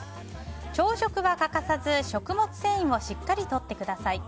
朝食は欠かさず食物繊維をしっかりとってください。